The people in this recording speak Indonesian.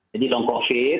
jadi long covid